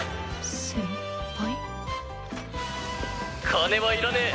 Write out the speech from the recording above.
「金はいらねえ。